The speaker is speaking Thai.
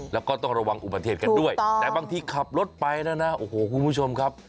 แล้วก็ต้องระวังอุบันเทศกันด้วยแต่บางทีขับรถไปนะคุณผู้ชมครับ